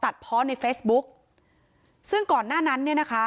เพาะในเฟซบุ๊กซึ่งก่อนหน้านั้นเนี่ยนะคะ